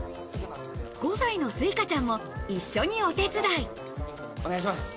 ５歳の翠花ちゃんも一緒にお手伝い。